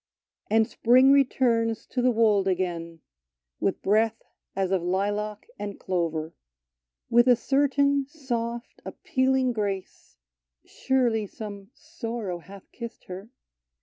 And spring returns to the wold again, With breath as of lilac and clover. With a certain soft, appealing grace (Surely some sorrow hath kissed her